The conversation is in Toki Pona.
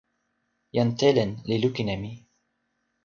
jan Telen li lukin e mi.